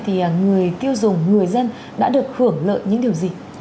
thì người tiêu dùng người dân đã được hưởng lợi những điều gì